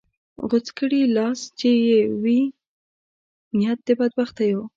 غوڅ کړې لاس چې یې وي نیت د بدبختیو